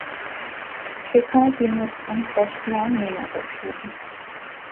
সেখানে তিনি একজন চশমা নির্মাতা ছিলেন।